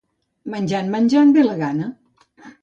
Menjant, menjant, ve la gana.